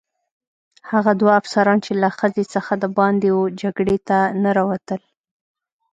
هغه دوه افسران چې له خزې څخه دباندې وه جګړې ته نه راوتل.